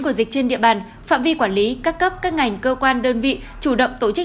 của dịch trên địa bàn phạm vi quản lý các cấp các ngành cơ quan đơn vị chủ động tổ chức